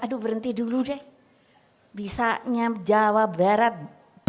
aduh berhenti dulu deh bisa nya jawa barat banten menang ntar dulu deh